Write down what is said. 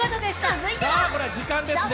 これは時間ですね。